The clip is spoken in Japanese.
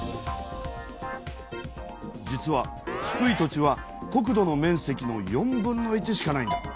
実は低い土地は国土の面積の４分の１しかないんだ。